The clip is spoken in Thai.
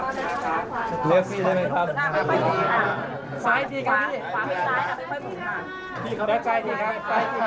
ขึ้นแล้วขึ้นแล้วขึ้นแล้ว